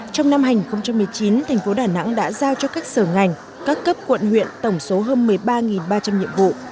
trong năm hai nghìn một mươi chín thành phố đà nẵng đã giao cho các sở ngành các cấp quận huyện tổng số hơn một mươi ba ba trăm linh nhiệm vụ